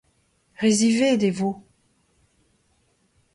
Re ziwezhat e vo.